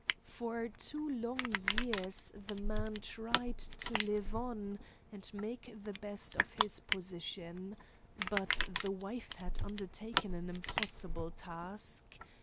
For two long years the man tried to live on and make the best of his position, but the wife had undertaken an impossible task.